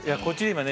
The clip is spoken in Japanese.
今ね